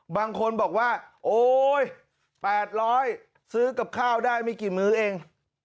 บางคนบอกว่าโอ๊ย๘๐๐ซื้อกับข้าวได้ไม่กี่มื้อเอง